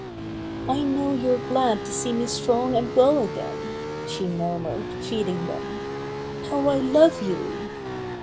"I know you're glad to see me strong and well again," she murmured, feeding them. "How I love you